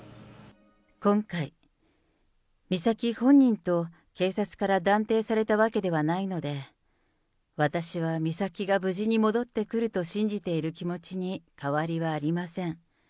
今回、美咲本人と警察から断定されたわけではないので、私は美咲が無事に戻ってくると信じている気持ちに変わりはありません。